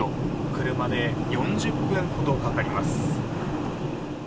車で４０分ほどかかります。